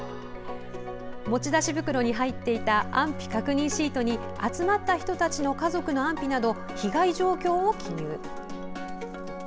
持ち出し袋に入っていた安否確認シートに集まった人たちの家族の安否など被害状況を記入。